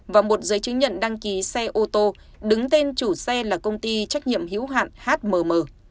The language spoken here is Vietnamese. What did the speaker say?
và một giấy chứng nhận đăng ký xe ô tô đứng tên chủ xe là công ty trách nhiệm hữu hạn hmm